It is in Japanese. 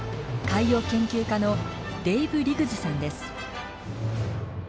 海洋研究家のデイブ・リグズさんです。